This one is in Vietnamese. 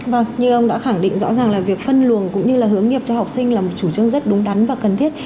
vâng như ông đã khẳng định rõ ràng là việc phân luồng cũng như là hướng nghiệp cho học sinh là một chủ trương rất đúng đắn và cần thiết